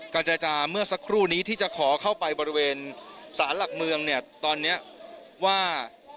การเจรจาเมื่อสักครู่นี้ที่จะขอเข้าไปบริเวณสารหลักเมืองเนี่ยตอนนี้ว่า